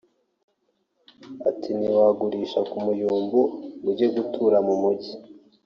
Ati “Ntiwagurisha ku Muyumbu ngo ujye gutura mu Mujyi